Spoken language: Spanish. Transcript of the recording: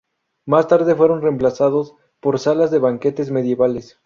Más tarde fueron reemplazados por salas de banquetes medievales.